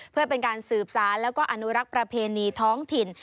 เพื่อเป็นการสืบสารแล้วก็อนุรักษ์ประเพณีท้องถิ่น